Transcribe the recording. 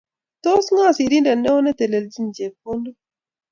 Tos ngo sirindet neo netelchini chepkodnok?